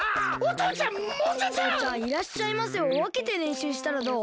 とうちゃんいらっしゃいませをわけてれんしゅうしたらどう？